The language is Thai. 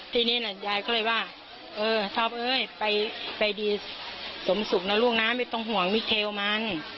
ทีนี้ยายก็เลยว่าเออท็อปเอ้ยไปดีสมสุขนะลูกนะไม่ต้องห่วงมิเทลมัน